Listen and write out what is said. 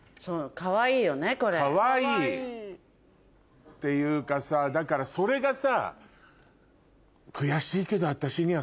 かわいい！っていうかさだからそれがさ。